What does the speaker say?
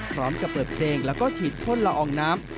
พร้อมจะเปิดเพลงแล้วก็ฉีดพ่นละอองน้ำ